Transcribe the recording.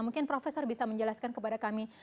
mungkin profesor bisa menjelaskan kepada kami